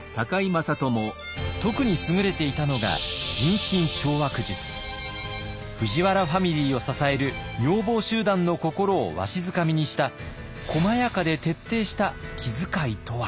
特に優れていたのが藤原ファミリーを支える女房集団の心をわしづかみにした細やかで徹底した気遣いとは？